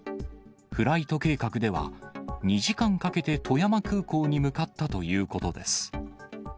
フライト計画では、２時間かけて富山空港に向かったということです。